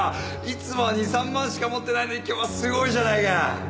いつもは２３万しか持ってないのに今日はすごいじゃないか！